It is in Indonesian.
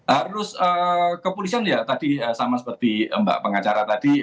harus kepolisian ya tadi sama seperti mbak pengacara tadi